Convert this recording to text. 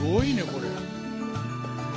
これ。